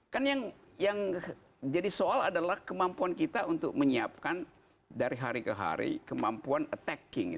kan yang jadi soal adalah kemampuan kita untuk menyiapkan dari hari ke hari kemampuan attacking